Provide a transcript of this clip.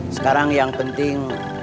sekarang yang penting